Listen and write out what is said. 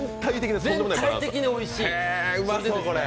全体的においしいんです。